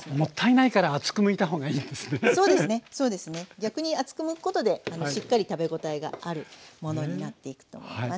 逆に厚くむくことでしっかり食べ応えがあるものになっていくと思います。